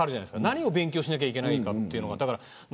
何を勉強しなきゃいけないのかっていうのが。